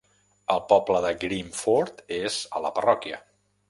El poble de Grimeford és a la parròquia.